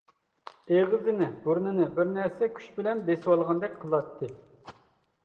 ئېغىزىنى، بۇرنىنى بىر نەرسە كۈچ بىلەن بېسىۋالغاندەك قىلاتتى.